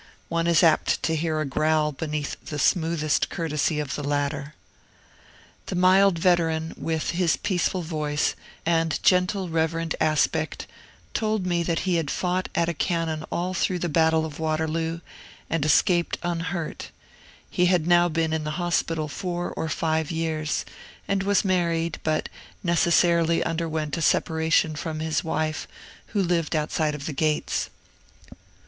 One is apt to hear a growl beneath the smoothest courtesy of the latter. The mild veteran, with his peaceful voice, and gentle reverend aspect, told me that he had fought at a cannon all through the Battle of Waterloo, and escaped unhurt; he had now been in the hospital four or five years, and was married, but necessarily underwent a separation from his wife, who lived outside of the gates.